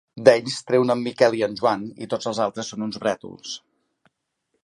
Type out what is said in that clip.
D'ells, treu-ne en Miquel i en Joan, i tots els altres són uns brètols.